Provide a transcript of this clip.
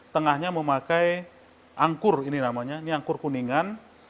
tengahnya memakai angkur ini namanya ini angkur kuningan